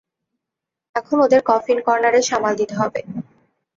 এখন ওদের কফিন কর্ণারের সামাল দিতে হবে।